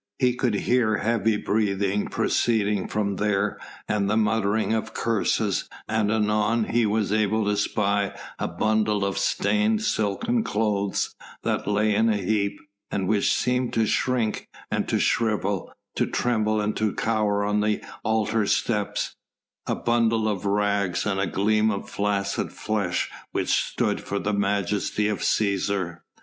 He could hear heavy breathing proceeding from there and the muttering of curses, and anon he was able to spy a bundle of stained silken clothes that lay in a heap and which seemed to shrink and to shrivel, to tremble and to cower on the altar steps: a bundle of rags and a gleam of flaccid flesh which stood for the majesty of Cæsar.